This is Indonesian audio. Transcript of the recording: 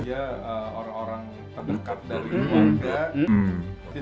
jadi orang orang terdekat dari warga